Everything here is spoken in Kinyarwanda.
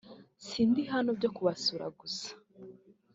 sindi hano byo kubasura gusa